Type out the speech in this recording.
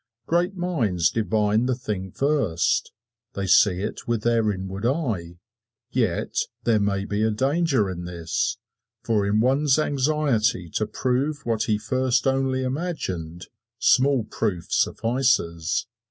Great minds divine the thing first they see it with their inward eye. Yet there may be danger in this, for in one's anxiety to prove what he first only imagined, small proof suffices.